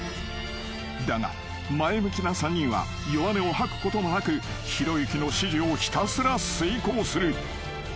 ［だが前向きな３人は弱音を吐くこともなくひろゆきの指示をひたすら遂行する］